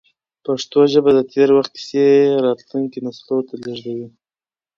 پښتو ژبه د تېر وخت کیسې راتلونکو نسلونو ته لېږدوي.